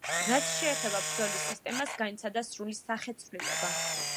რაც შეეხება ბრძოლის სისტემას, განიცადა სრული სახეცვლილება.